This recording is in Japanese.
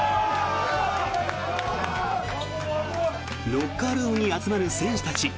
ロッカールームに集まる選手たち。